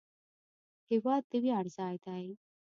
هېواد د ویاړ ځای دی.